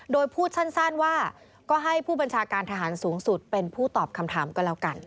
โดยพูดสั้นว่าก็ให้ผู้บัญชาการทหารสูงสุดเป็นผู้ตอบคำถามก็แล้วกัน